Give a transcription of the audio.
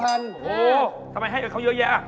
โอ้โหทำไมให้กับเขาเยอะแยะ